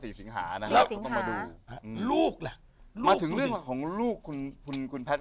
สีสิงหา